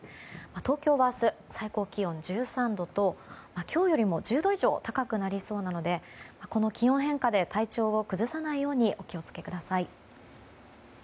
東京は明日、最高気温１３度と今日よりも１０度以上高くなりそうなのでこの気温変化で体調を崩さないようにお気を付けください。